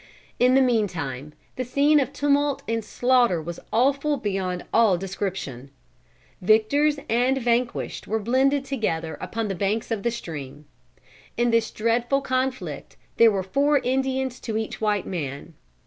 In the meantime the scene of tumult and slaughter was awful beyond all description. Victors and vanquished were blended together upon the banks of the stream. In this dreadful conflict there were four Indians to each white man.